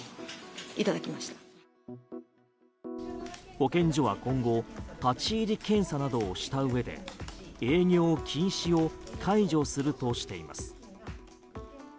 保健所は今後立ち入り検査などをした上で営業禁止を解除するとしています。